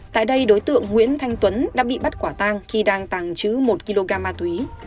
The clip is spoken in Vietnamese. tại đây đối tượng nguyễn thanh tuấn đã bị bắt quả tang khi đang tàng trữ một kg ma túy